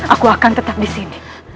aku akan tetap di sini